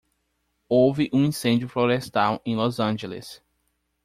Houve um incêndio florestal em Los Angeles.